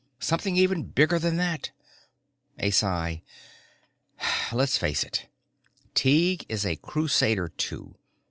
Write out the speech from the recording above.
Something even bigger than that." A sigh. "Let's face it, Tighe is a crusader too.